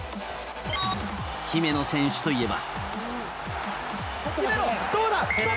姫野選手といえば。